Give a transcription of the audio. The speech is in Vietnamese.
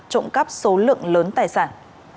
trộm cắp số lượng lớn tài sản